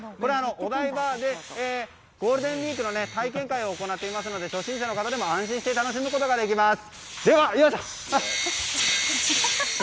お台場でゴールデンウィークの体験会を行っていますので初心者の方でも安心して楽しめます。